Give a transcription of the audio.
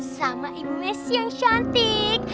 sama ibu mesi yang syantik